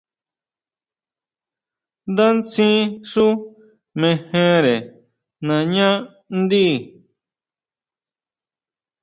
Ndá ntsín xú mejere nañá ndí.